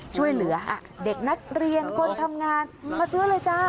ช่วยเหลือเด็กนักเรียนคนทำงานมาซื้อเลยจ้า